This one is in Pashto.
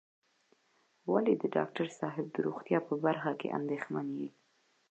ولې د ډاکټر صاحب د روغتيا په برخه کې اندېښمن یې.